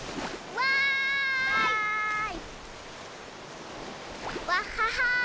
わい！